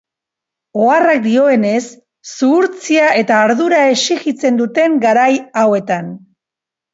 Oharrak dioenez, zuhurtzia eta ardura esijitzen duten garai hauetan.